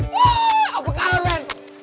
wah apa kabar men